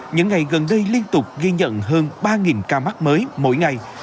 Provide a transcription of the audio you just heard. những ngày gần đây liên tục ghi nhận hơn ba ca mắc mới mỗi ngày